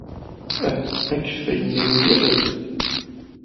Ih, akeffay-nni igerrez.